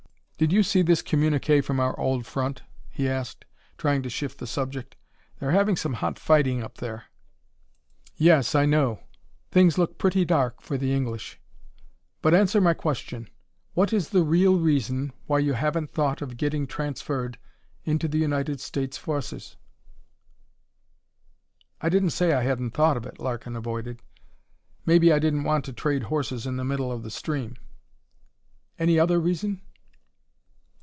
"Did you see this communique from our old front?" he asked, trying to shift the subject. "They're having some hot fighting up there." "Yes, I know. Things look pretty dark for the English. But answer my question: What is the real reason why you haven't thought of getting transferred into the United States forces?" "I didn't say I hadn't thought of it," Larkin avoided. "Maybe I didn't want to trade horses in the middle of the stream." "Any other reason?"